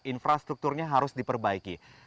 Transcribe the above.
infrastrukturnya harus diperbaiki